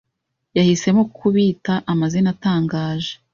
yahisemo kubita amazina atangaje